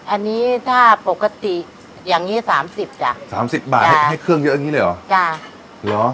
อันนี้ถ้าปกติอย่างนี้สามสิบจ้ะสามสิบบาทให้เครื่องเยอะอย่างงี้เลยเหรอจ้ะเหรอ